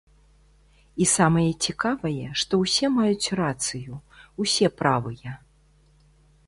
І самае цікавае, што ўсе маюць рацыю, усе правыя.